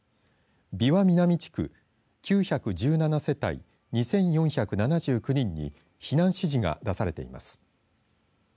びわ南地区、９１７世帯２４７９人に避難指示が出されています。